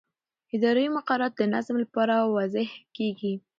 اداري مقررات د نظم لپاره وضع کېږي.